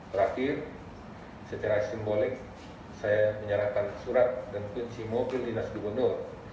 terakhir secara simbolik saya menyerahkan surat dan kunci mobil dinas gubernur